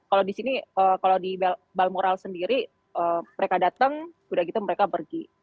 kalau di sini kalau di balmoral sendiri mereka datang udah gitu mereka pergi